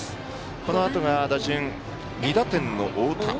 このあとが、打順２打点の太田。